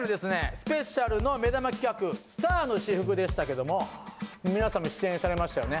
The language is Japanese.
ＳＰの目玉企画スターの私服でしたけどもみなさんも出演されましたよね。